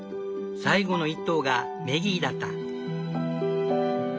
最後の１頭がメギーだった。